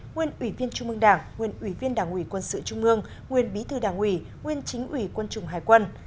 nguyên ủy viên trung mương đảng nguyên ủy viên đảng ủy quân sự trung mương nguyên bí thư đảng ủy nguyên chính ủy quân chủng hải quân